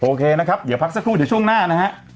โอเคนะครับเดี๋ยวพักสักครู่เดี๋ยวช่วงหน้านะฮะ